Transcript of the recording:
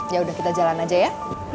yaudah kita jalan aja ya